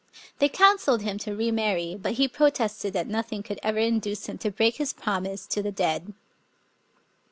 They counselled him to remarry ; but he protested that nothing could ever induce him to break his promise to the dead.